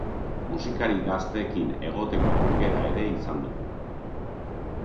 Musikari gazteekin egoteko aukera ere izan dugu.